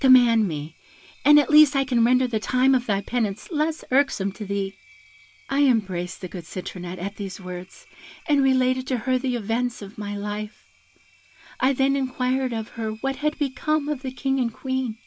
Command me, and at least I can render the time of thy penance less irksome to thee.' "I embraced the good Citronette at these words, and related to her the events of my life. I then inquired of her what had become of the King and Queen.